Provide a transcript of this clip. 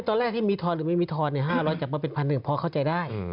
ตอนแรกที่มีทรหรือไม่มีทรเราจับว่าเป็นพันธุ์หนึ่งพอเข้าใจได้